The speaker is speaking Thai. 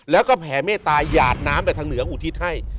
แล้วก็แผ่เมตตาหยาดน้ำแต่ทางเหนืออุทิศให้